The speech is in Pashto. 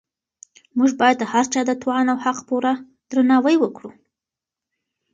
موږ باید د هر چا د توان او حق پوره درناوی وکړو.